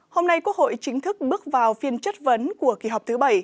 hôm nay quốc hội chính thức bước vào phiên chất vấn của kỳ họp thứ bảy